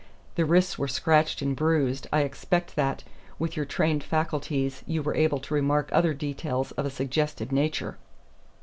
The wrists were scratched and bruised. I expect that, with your trained faculties, you were able to remark other details of a suggestive nature."